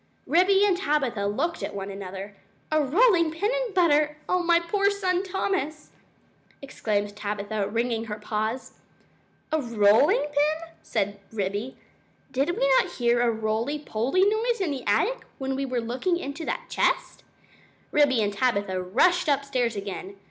Ribby and Tabitha looked at one another. "A rolling pin and butter! Oh, my poor son Thomas!" exclaimed Tabitha, wringing her paws. "A rolling pin?" said Ribby. "Did we not hear a roly poly noise in the attic when we were looking into that chest?" Ribby and Tabitha rushed upstairs again.